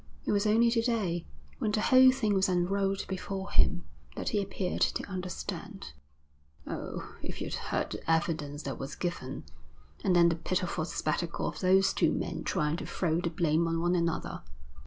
It was only to day, when the whole thing was unrolled before him, that he appeared to understand. Oh, if you'd heard the evidence that was given! And then the pitiful spectacle of those two men trying to throw the blame on one another!'